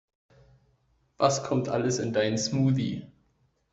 Was kommt alles in deinen Smoothie?